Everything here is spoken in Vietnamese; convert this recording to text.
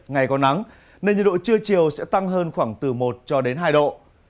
ngày có nắng nên nhiệt độ trưa chiều sẽ tăng hơn khoảng từ một hai độ